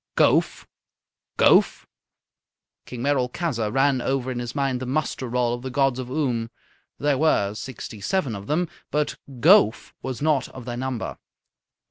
"Gowf? Gowf?" King Merolchazzar ran over in his mind the muster roll of the gods of Oom. There were sixty seven of them, but Gowf was not of their number.